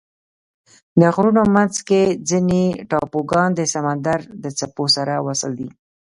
د غرونو منځ کې ځینې ټاپوګان د سمندر د څپو سره وصل دي.